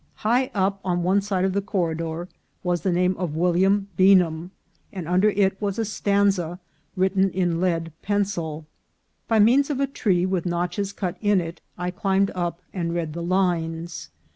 High up on one side of the corridor was the name of William Beanham, and under it was a stanza written in lead pencil. By means of a tree with notches cut in it, I climbed up and read the lines.